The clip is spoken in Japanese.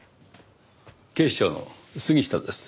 警視庁の杉下です。